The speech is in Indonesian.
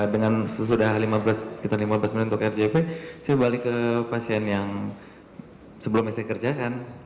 dengan sesudah sekitar lima belas menit untuk rjp saya balik ke pasien yang sebelumnya saya kerjakan